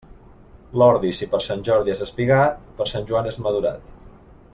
L'ordi, si per Sant Jordi és espigat, per Sant Joan és madurat.